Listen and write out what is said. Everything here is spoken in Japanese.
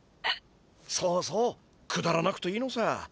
そうそうくだらなくていいのさ。